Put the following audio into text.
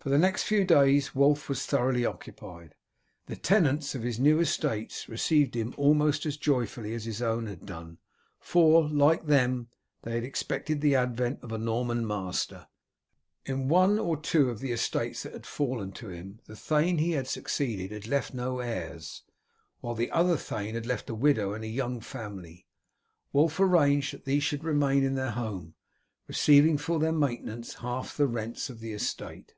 For the next few days Wulf was thoroughly occupied. The tenants of his new estates received him almost as joyfully as his own had done, for, like them, they had expected the advent of a Norman master. In one of the two estates that had fallen to him the thane he had succeeded had left no heirs; while the other thane had left a widow and a young family. Wulf arranged that these should remain in their home, receiving for their maintenance half the rents of the estate.